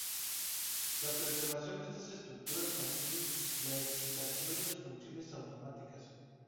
La preservación de estas estructuras mantiene la excitación y las funciones automáticas.